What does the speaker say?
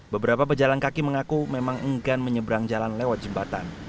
beberapa pejalan kaki mengaku memang enggan menyeberang jalan lewat jembatan